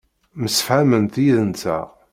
Msefhament yid-nteɣ.